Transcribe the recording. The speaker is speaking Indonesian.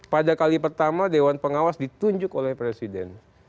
pada kali pertama dewan pengawas ditunjuk oleh presiden